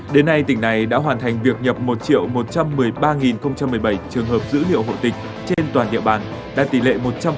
đến nay tỉnh này đã hoàn thành việc nhập một một trăm một mươi ba một mươi bảy trường hợp dữ liệu hộ tịch trên toàn địa bàn đạt tỷ lệ một trăm linh